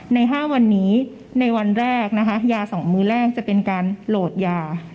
ใน๕วันนี้ในวันแรกนะคะยา๒มื้อแรกจะเป็นการโหลดยา